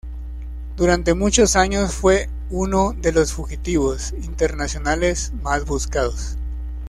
Durante muchos años fue uno de los fugitivos internacionales más buscados.